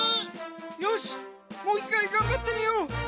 よしもういっかいがんばってみよう。